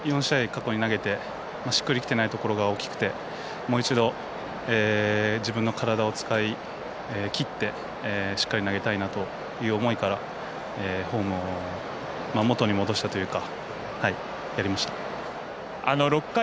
過去に投げてしっくりきてないところが大きくて、もう一度自分の体を使いきってしっかり投げたいなという思いからフォームを元に戻したというか。